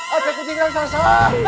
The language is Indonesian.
wah ada kucing raksasa